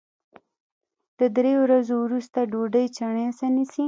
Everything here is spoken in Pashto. د درې ورځو وروسته ډوډۍ چڼېسه نیسي